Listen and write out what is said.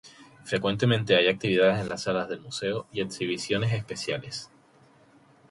Frecuentemente hay actividades en las salas del museo y exhibiciones especiales.